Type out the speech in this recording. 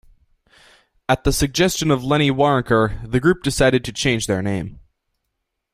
At the suggestion of Lenny Waronker, the group decided to change their name.